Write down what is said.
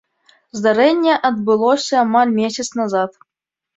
Здарэнне адбылося амаль месяц назад.